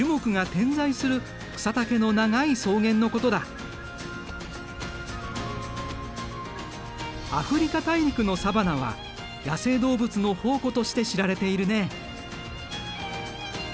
サバナとはアフリカ大陸のサバナは野生動物の宝庫として知られているね。